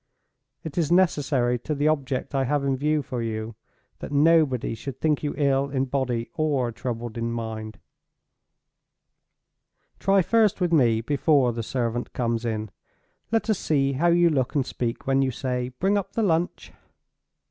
It is necessary to the object I have in view for you, that nobody should think you ill in body or troubled in mind. Try first with me before the servant comes in. Let us see how you look and speak when you say, 'Bring up the lunch.